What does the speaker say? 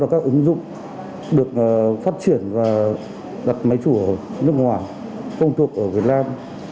các ứng dụng được phát triển và đặt máy chủ ở nước ngoài công thuộc ở việt nam